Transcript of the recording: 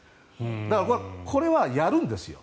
だから、これはやるんですよ。